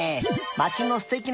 まちのすてきなところ